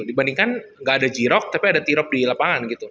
dibandingkan gak ada g rock tapi ada t rock di lapangan